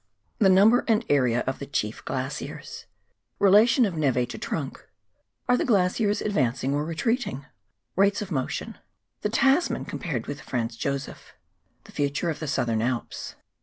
The Number and Area of the Chief Glaciers — Relation of neve to Trunk — Are the Glaciers Advancing or Reti eating ?— Hates of Motion — The Tasman compared with the Franz Josef — The Future of the Southern Alps.